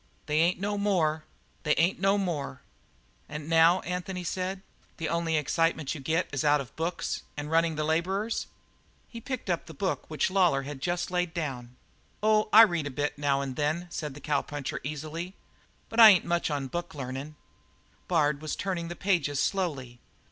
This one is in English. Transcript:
They ain't no more they ain't no more!" "And now," said Anthony, "the only excitement you get is out of books and running the labourers?" He had picked up the book which Lawlor had just laid down. "Oh, I read a bit now and then," said the cowpuncher easily, "but I ain't much on booklearnin'." Bard was turning the pages slowly.